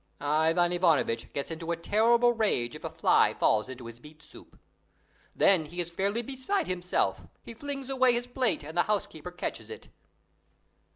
Ivan Ivanovitch gets into a terrible rage if a fly falls into his beet soup. Then he is fairly beside himself; he flings away his plate and the housekeeper catches it.